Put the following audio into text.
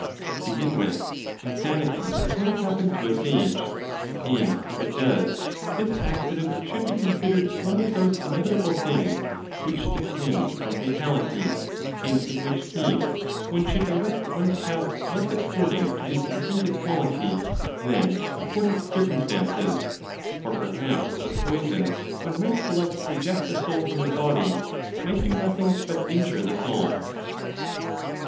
To begin with, insanity does not happen to a sage, and if it does, this accident should be considered one of those inevitable things which depend from fatality, and in which case one should direct one's path less according to his intrinsic quality than according to circumstances; for perhaps the poison one might select to eject the soul from the body might do nothing but injure the soul.